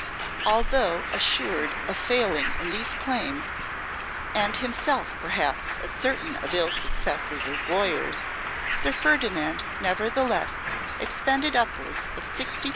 Although assured of failing in these claims, and himself perhaps as certain of ill success as his lawyers, Sir Ferdinand nevertheless expended upwards of 60,000L.